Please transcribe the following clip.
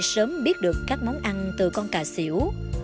sớm biết được các món ăn từ con cà xỉu